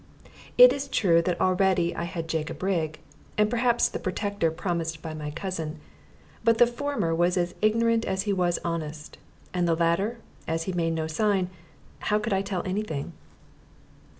It is true that already I had Jacob Rigg, and perhaps the protector promised by my cousin; but the former was as ignorant as he was honest, and of the latter, as he made no sign, how could I tell any thing?